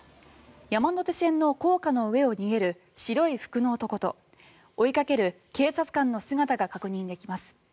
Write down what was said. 山手線の高架の上を逃げる白い服の男と追いかける警察官の姿が確認できます。